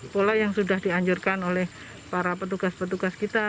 pola yang sudah dianjurkan oleh para petugas petugas kita